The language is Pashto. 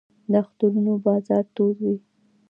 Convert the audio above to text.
د اخترونو بازار تود وي